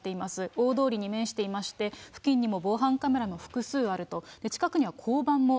大通りに面していまして、付近にも防犯カメラが複数あると。